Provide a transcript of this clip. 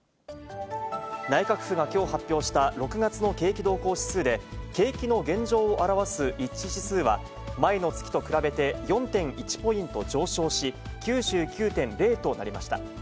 内閣府がきょう発表した６月の景気動向指数で、景気の現状を表す一致指数は、前の月と比べて４．１ポイント上昇し、９９．０となりました。